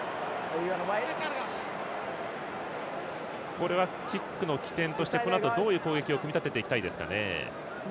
これは、キックの起点としてこのあと、どういう攻撃を組み立てていきたいですかね。